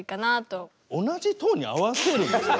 同じトーンに合わせるんですか？